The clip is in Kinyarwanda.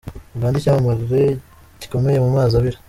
Uganda icyamare gikomeye mu mazi abira